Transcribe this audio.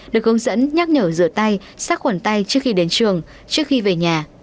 được hướng dẫn nhắc nhở rửa tay sát khuẩn tay trước khi đến trường trước khi về nhà